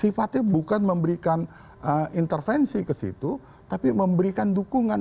sifatnya bukan memberikan intervensi ke situ tapi memberikan dukungan